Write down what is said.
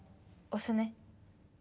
おすね。